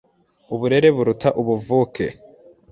“uburere buruta ubuvuke